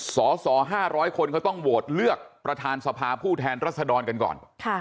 สส๕๐๐คนเขาต้องโหวตเลือกประธานสภาผู้แทนรัศดรกันก่อน